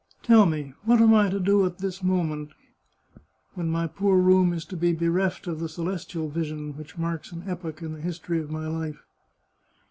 " Tell me, what am I to do at this moment, when my poor room is to be bereft of the celestial vision which marks an epoch in the history of my life?"